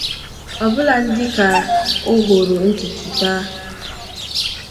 ọbụladị dịka o hooro ntùtù taa